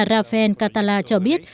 rafael catala cho biết